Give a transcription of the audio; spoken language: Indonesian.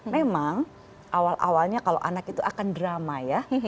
memang awal awalnya kalau anak itu akan drama ya